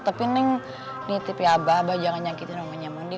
tapi neng nitip ya abah abah jangan nyakitin umahnya mondi